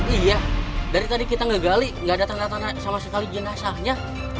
iya dari tadi kita ngegali nggak ada tanda tanda sama sekali jenazahnya